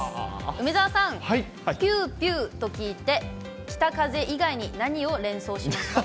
梅澤さん、ぴゅーぴゅーと聞いて、北風以外に何を連想しますか？